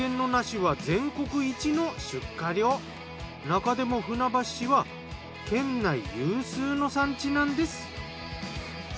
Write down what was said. なかでも船橋市は県内有数の産地なんです。